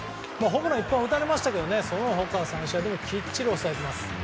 ホームラン１本打たれましたがその他３試合ともきっちり抑えています。